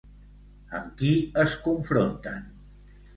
Amb qui es confronten?